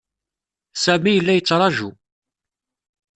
Sami yella yettṛaju.